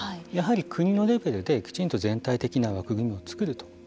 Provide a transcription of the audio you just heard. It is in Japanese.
やはり国のレベルできちんと全体的な枠組みを作ると。